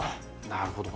なるほど。